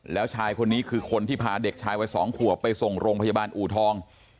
แล้วชายคนนี้คือคนที่พาเด็กชายวัย๒ขวบไปส่งโรงพยาบาลอูทอง